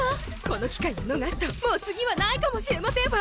この機会を逃すともう次はないかもしれませんわ。